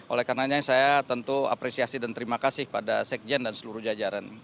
oleh karenanya saya tentu apresiasi dan terima kasih pada sekjen dan seluruh jajaran